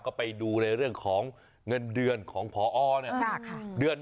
ก็ไปดูในเรื่องของเงินเดือนของพอเนี่ย